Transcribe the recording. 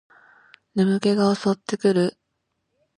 眠気が襲ってくる